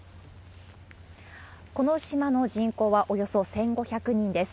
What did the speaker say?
この島の人口はおよそ１５００人です。